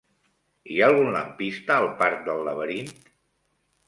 Hi ha algun lampista al parc del Laberint?